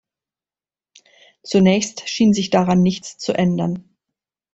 Zunächst schien sich daran nichts zu ändern.